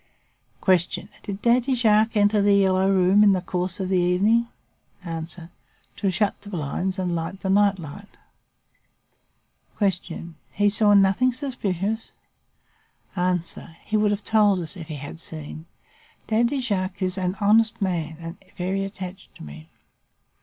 "Q. Did Daddy Jacques enter "The Yellow Room" in the course of the evening? "A. To shut the blinds and light the night light. "Q. He saw nothing suspicious? "A. He would have told us if he had seen. Daddy Jacques is an honest man and very attached to me.